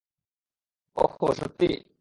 ওহহো, সত্যি?